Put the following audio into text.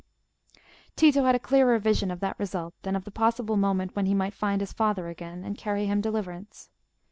Tito had a clearer vision of that result than of the possible moment when he might find his father again, and carry him deliverance.